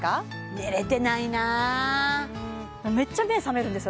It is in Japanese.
寝れてないなめっちゃ目覚めるんですよ